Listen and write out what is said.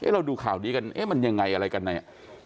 เราดูข่าวดีกันมันยังไงอะไรกันไหน